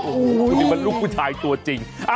โอ้โหคุณนี่มันลูกผู้ชายตัวจริง